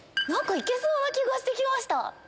行けそうな気がして来ました。